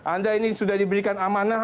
anda ini sudah diberikan amanah